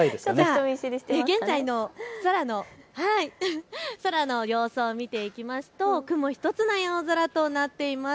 現在の空の様子を見ていきますと雲１つない青空となっています。